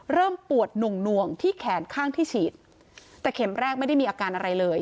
ปวดหน่วงหน่วงที่แขนข้างที่ฉีดแต่เข็มแรกไม่ได้มีอาการอะไรเลย